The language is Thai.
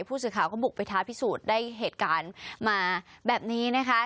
ผู้สื่อข่าวก็บุกไปท้าพิสูจน์ได้เหตุการณ์มาแบบนี้นะคะ